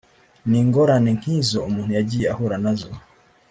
ni ingorane nk’izo umuntu yagiye ahura nazo